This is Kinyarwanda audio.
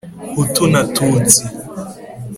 Hutu na tutsi